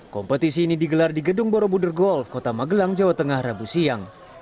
kompetisi ini digelar di gedung borobudur golf kota magelang jawa tengah rabu siang